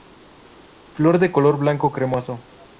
Flor de color blanco cremoso.